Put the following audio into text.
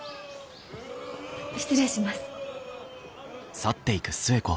失礼します。